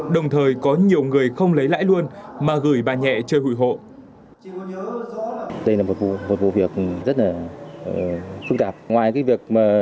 đồng thời có nhiều người không lấy lãi luôn mà gửi bà nhẹ chơi hụi hộ